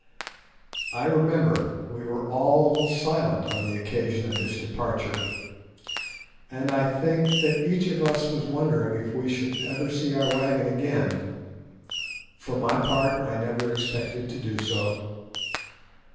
I remember we were all a little silent on the occasion of this departure, and I think that each of us was wondering if we should ever see our wagon again; for my part I never expected to do so.